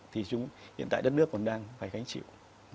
thì hiện tại đất nước còn đang phải gánh chịu